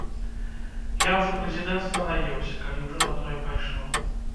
Я ўжо прэзідэнцтва наеўся, калі ўжо на тое пайшло.